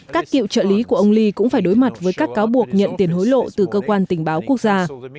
các cựu trợ lý của ông lee cũng phải đối mặt với các cáo buộc nhận tiền hối lộ từ cơ quan tình báo quốc gia